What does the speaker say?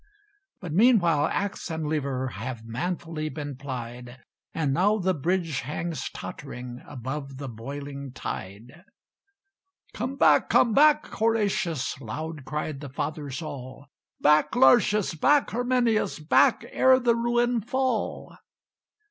But meanwhile axe and lever Have manfully been plied; And now the bridge hangs tottering Above the boiling tide. "Come back, come back, Horatius!" Loud cried the Fathers all. "Back, Lartius! back, Herminius! Back, ere the ruin fall!"